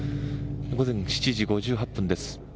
午前７時５８分です。